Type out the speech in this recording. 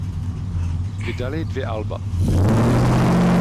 Vydali dvě alba.